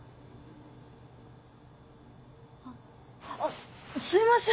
ああすいません